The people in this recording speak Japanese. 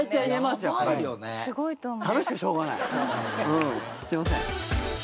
うんすみません。